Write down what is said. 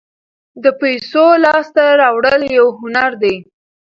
د پیسو لاسته راوړل یو هنر دی.